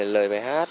lời bài hát